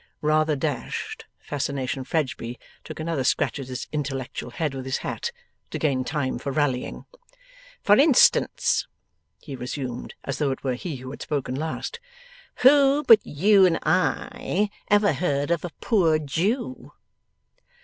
Rather dashed, Fascination Fledgeby took another scratch at his intellectual head with his hat, to gain time for rallying. 'For instance,' he resumed, as though it were he who had spoken last, 'who but you and I ever heard of a poor Jew?